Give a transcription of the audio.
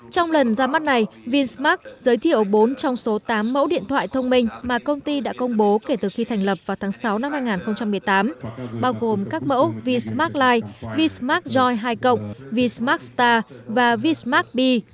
trong lần ra mắt này vinsmart giới thiệu bốn trong số tám mẫu điện thoại thông minh mà công ty đã công bố kể từ khi thành lập vào tháng sáu năm hai nghìn một mươi tám bao gồm các mẫu vinsmart lite vinsmart joy hai vinsmart star và vinsmart b